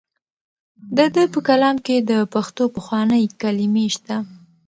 د ده په کلام کې د پښتو پخوانۍ کلمې شته.